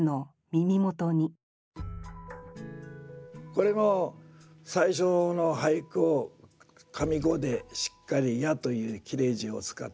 これも最初の俳句を上五でしっかり「や」という切れ字を使ってますよね。